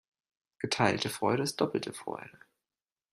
Geteilte Freude ist doppelte Freude.